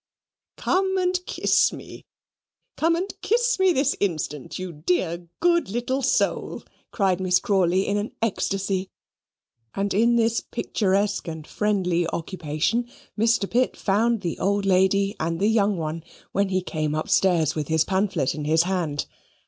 "Come and kiss me. Come and kiss me this instant, you dear good little soul," cried Miss Crawley in an ecstasy: and in this picturesque and friendly occupation Mr. Pitt found the old lady and the young one, when he came upstairs with him pamphlet in his hand.